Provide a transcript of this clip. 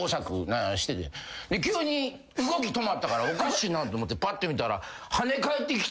急に動き止まったからおかしいなと思ってぱって見たら。